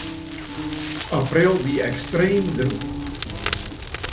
April wie ekstreem drûch.